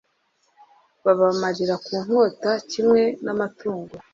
babamarira ku nkota kimwe n'amatungo